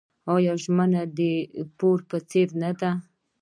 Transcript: آیا ژمنه د پور په څیر نه ده؟